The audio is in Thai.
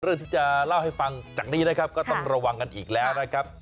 เรื่องที่จะเล่าให้ฟังจากนี้นะครับก็ต้องระวังกันอีกแล้วนะครับ